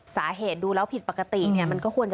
สาเหตุดูแล้วผิดปกติเนี่ย